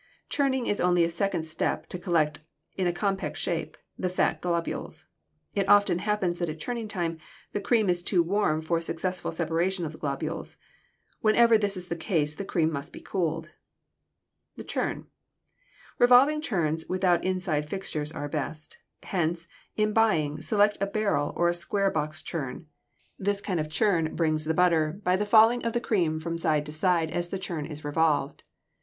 Churning is only a second step to collect in a compact shape the fat globules. It often happens that at churning time the cream is too warm for successful separation of the globules. Whenever this is the case the cream must be cooled. [Illustration: FIG. 271. A HAND SEPARATOR] =The Churn.= Revolving churns without inside fixtures are best. Hence, in buying, select a barrel or a square box churn. This kind of churn "brings the butter" by the falling of the cream from side to side as the churn is revolved.